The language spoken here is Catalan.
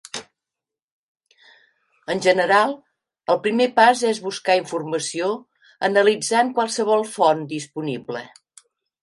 En general, el primer pas és buscar informació analitzant qualsevol font disponible.